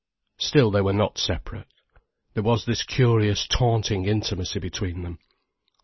Still they were not separate. There was this curious taunting intimacy between them.